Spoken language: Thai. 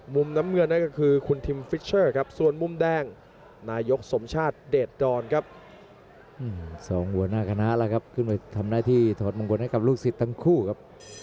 มุมน้ำใหญ่คือคุณทิมฟิชเชอร์ครับส่วนมุมแดงนายกสมชาติเดชรอนครับ